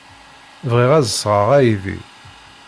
Bɣiɣ ad d-sɣeɣ aydi.